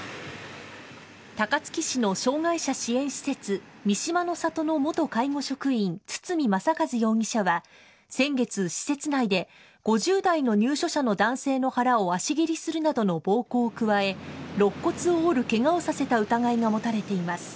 高槻市の障害者支援施設、三島の郷の元介護職員、堤正和容疑者は、先月、施設内で、５０代の入所者の男性の腹を足蹴りするなどの暴行を加え、ろっ骨を折るけがをさせた疑いが持たれています。